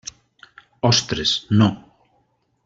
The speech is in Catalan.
Ostres, no!